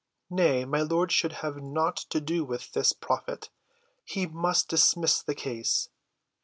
"Nay, my lord should have nought to do with this prophet. He must dismiss the case."